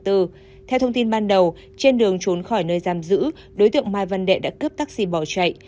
theo thông tin ban đầu trên đường trốn khỏi nơi giam giữ đối tượng mai văn đệ đã cướp taxi bỏ chạy